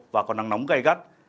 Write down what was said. và có năng nóng gai gắt